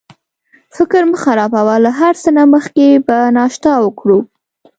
فکر مه خرابوه، له هر څه نه مخکې به ناشته وکړو.